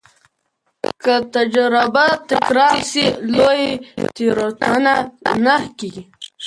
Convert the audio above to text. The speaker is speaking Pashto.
که تجربه تکرار سي، لویه تېروتنه نه کېږي.